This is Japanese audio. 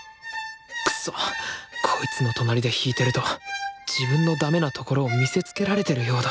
くそっこいつの隣で弾いてると自分のダメなところを見せつけられてるようだ